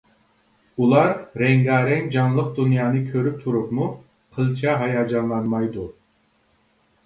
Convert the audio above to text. ئۇلار رەڭگارەڭ جانلىق دۇنيانى كۆرۈپ تۇرۇپمۇ قىلچە ھاياجانلانمايدۇ.